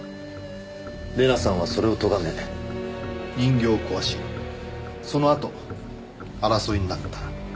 玲奈さんはそれをとがめ人形を壊しそのあと争いになった。